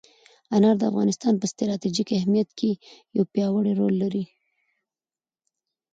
انار د افغانستان په ستراتیژیک اهمیت کې یو پیاوړی رول لري.